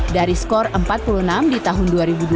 dari skor empat puluh enam di tahun dua ribu dua puluh